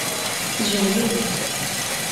Tjehlemt.